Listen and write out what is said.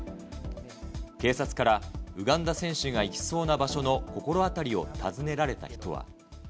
警察から、ウガンダ選手が行きそうな場所の心当たりを尋ねられた人は。